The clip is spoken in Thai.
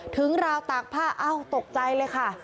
ถึงราวตากผ้าอ้าวตกใจเลยค่ะ